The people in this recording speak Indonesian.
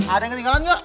ada yang ketinggalan gak